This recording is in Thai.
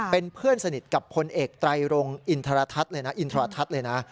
เป็นเพื่อนสนิทกับคนเอกไตรโรงอินทรลัทัศน์